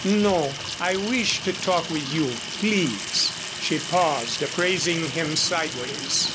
"No I wish to talk with you. Please!" She paused, appraising him sideways.